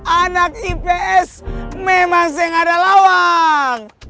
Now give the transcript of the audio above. anak ips memang seng ada lawang